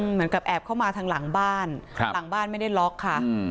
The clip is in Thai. เหมือนกับแอบเข้ามาทางหลังบ้านหลังบ้านไม่ได้ล็อกค่ะ